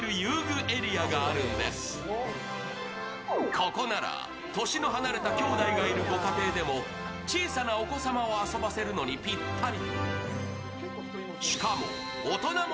ここなら年の離れた兄弟がいるご家庭でも小さなお子様を遊ばせるのにぴったり。